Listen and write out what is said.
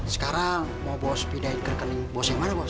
sekarang mau bos pindahin ke rekening bos yang mana bos